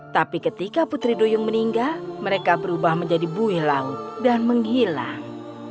tapi ketika putri duyung meninggal mereka berubah menjadi buih laut dan menghilang